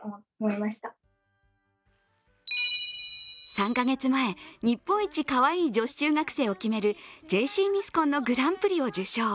３か月前、日本一かわいい女子中学生を決めるＪＣミスコンのグランプリを受賞。